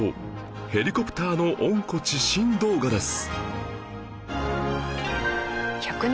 ヘリコプターの温故知新動画です